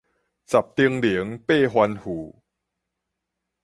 十叮嚀，八吩咐